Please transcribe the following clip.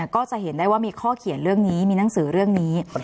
ก็จะเห็นได้ว่ามีข้อเขียนเรื่องนี้มีหนังสือเรื่องนี้